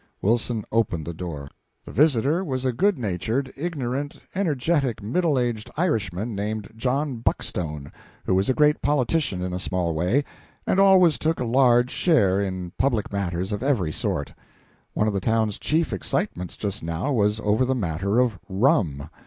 Wilson opened the door. The visitor was a good natured, ignorant, energetic, middle aged Irishman named John Buckstone, who was a great politician in a small way, and always took a large share in public matters of every sort. One of the town's chief excitements, just now, was over the matter of rum.